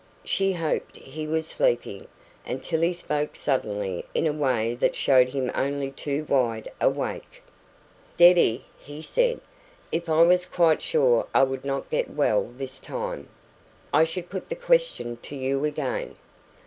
She hoped he was sleeping, until he spoke suddenly in a way that showed him only too wide awake. "Debbie," he said, "if I was quite sure I would not get well this time, I should put that question to you again."